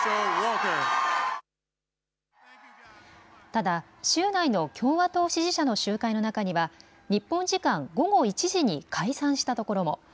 ただ州内の共和党支持者の集会の中には日本時間午後１時に解散したところも。